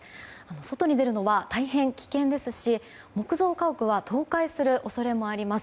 外に出るのは大変危険ですし木造家屋は倒壊する恐れもあります。